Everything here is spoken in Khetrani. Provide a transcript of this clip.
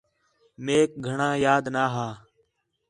میک گھݨاں یاد نا ہا